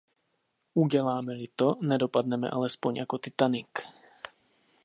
Uděláme-li to, nedopadneme alespoň jako Titanic.